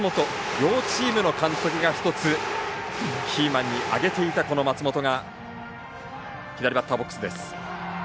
両チームの監督が１つ、キーマンに挙げていた松本が左バッターボックスです。